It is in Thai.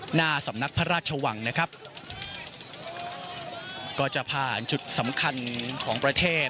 หน้าสำนักพระราชวังนะครับก็จะผ่านจุดสำคัญของประเทศ